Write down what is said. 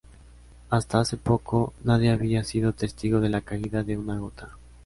Hasta hace poco, nadie había sido testigo de la caída de una gota.